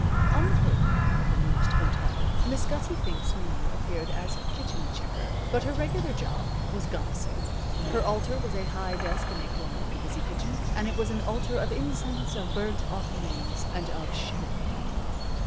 On the pay roll of the Newest Hotel Miss Gussie Fink's name appeared as kitchen checker, but her regular job was goddessing. Her altar was a high desk in a corner of the busy kitchen, and it was an altar of incense, of burnt offerings, and of showbread.